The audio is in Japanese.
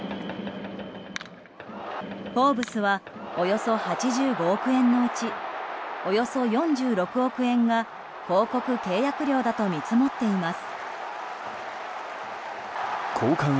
「フォーブス」はおよそ８５億円のうちおよそ４６億円が広告契約料だと見積もっています。